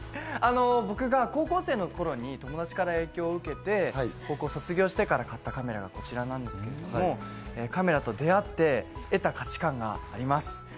僕が高校生の頃に友達から影響を受けて、高校を卒業してから買ったカメラがこちらなんですけど、カメラと出会って得た価値感があります。